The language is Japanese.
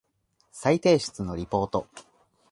再提出のリポート